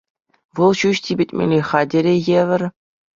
Вӑл ҫӳҫ типӗтмелли хатӗре евӗр.